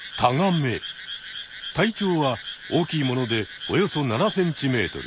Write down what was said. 体長は大きいものでおよそ７ｃｍ。